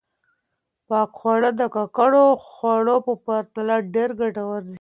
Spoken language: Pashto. پاک خواړه د ککړو خوړو په پرتله ډېر ګټور دي.